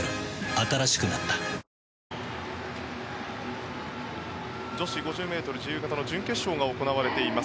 新しくなった女子５０ｍ自由形の準決勝が行われています。